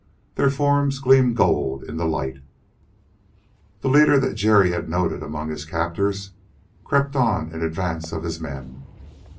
Their forms gleamed gold in the light. The leader that Jerry had noted among his captors crept on in advance of his men.